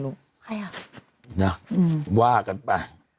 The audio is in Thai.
น่ะว่ากันไป